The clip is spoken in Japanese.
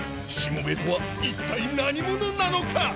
しもべえとは一体何者なのか！？